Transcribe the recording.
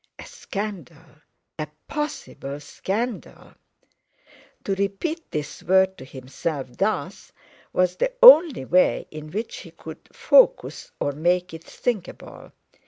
A scandal! A possible scandal! To repeat this word to himself thus was the only way in which he could focus or make it thinkable.